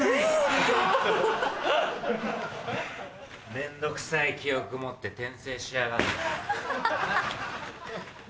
面倒くさい記憶持って転生しやがって。